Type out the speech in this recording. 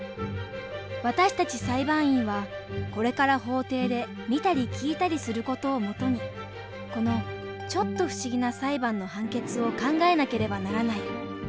私たち裁判員はこれから法廷で見たり聞いたりする事を基にこのちょっと不思議な裁判の判決を考えなければならない。